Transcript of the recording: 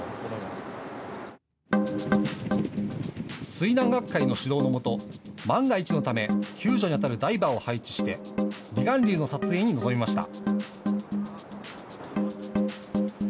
水難学会の指導のもと万が一のため救助にあたるダイバーを配置して離岸流の撮影に臨みました。